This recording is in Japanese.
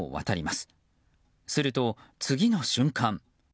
すると次の瞬間